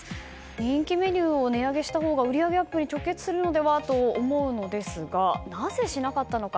人気メニューを値上げしたほうが売り上げアップに直結するのでは？と思うのですがなぜしなかったのか。